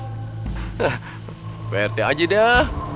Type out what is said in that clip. hah pak rete aja dah